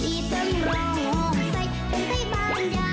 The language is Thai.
ไม่ใช่ตัวคุณสิเอามือแหนะ